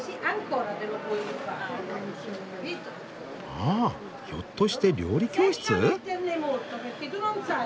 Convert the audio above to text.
ああひょっとして料理教室？